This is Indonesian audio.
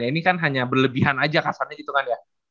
ini kan hanya berlebihan aja kasarnya gitu kan ya